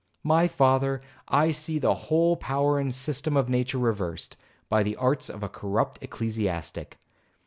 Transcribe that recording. My father, I see the whole power and system of nature reversed, by the arts of a corrupt ecclesiastic.